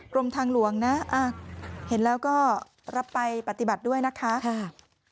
กรมทางหลวงนะเห็นแล้วก็รับไปปฏิบัติด้วยนะคะ